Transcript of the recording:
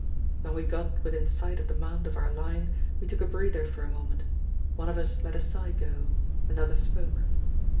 When we got within sight of the mound of our line, we took a breather for a moment; one of us let a sigh go, another spoke.